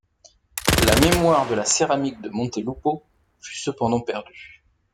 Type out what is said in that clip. La mémoire de la céramique de Montelupo fut cependant perdue.